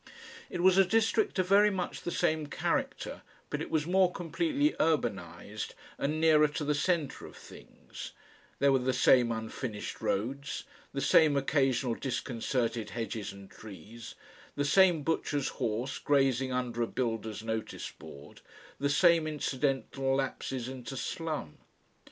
It was a district of very much the same character, but it was more completely urbanised and nearer to the centre of things; there were the same unfinished roads, the same occasional disconcerted hedges and trees, the same butcher's horse grazing under a builder's notice board, the same incidental lapses into slum.